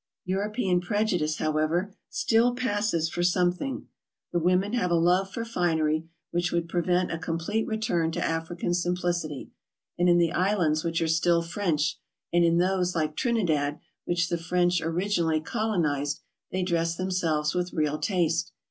European prejudice, however, still passes for something; the women have a love for finery, which would prevent a complete return to African simplicity; and in the islands which are still French, and in those like Trinidad, which the French originally colonized, they dress themselves with real taste.